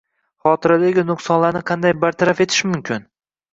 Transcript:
Xotiradagi nuqsonlarni qanday bartaraf etish mumkin?